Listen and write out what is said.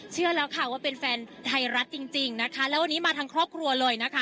เชื่อแล้วค่ะว่าเป็นแฟนไทยรัฐจริงจริงนะคะแล้ววันนี้มาทั้งครอบครัวเลยนะคะ